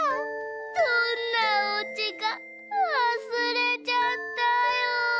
「どんなおうちかわすれちゃったよ」。